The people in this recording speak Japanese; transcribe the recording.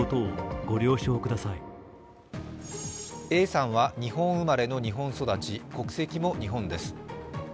Ａさんは日本生まれの日本育ち、国籍も日本です。